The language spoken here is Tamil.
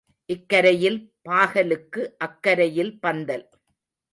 இக்கரையில் பாகலுக்கு அக்கரையில் பந்தல்.